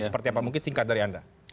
seperti apa mungkin singkat dari anda